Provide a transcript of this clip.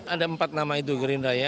ada empat nama itu gerindra ya